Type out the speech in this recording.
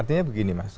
artinya begini mas